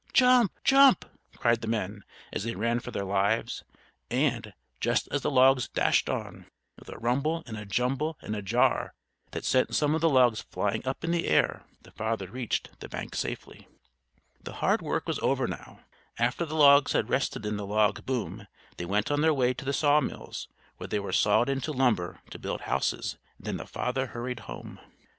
"Jump! Jump!" cried the men, as they ran for their lives; and, just as the logs dashed on, with a rumble and a jumble and a jar that sent some of the logs flying up in the air, the father reached the bank safely. [Illustration: So the House was built; a cozy room for the cooking and eating.] The hard work was over now. After the logs had rested in the log "boom," they went on their way to the saw mills, where they were sawed into lumber to build houses; and then the father hurried home.